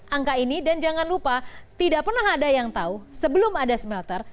angka ini dan jangan lupa tidak pernah ada yang tahu sebelum ada smelter